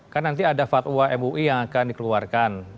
kan nanti ada fatwa mui yang akan dikeluarkan